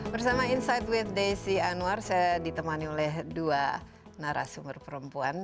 bersama insight with desi anwar saya ditemani oleh dua narasumber perempuan